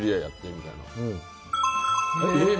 みたいな。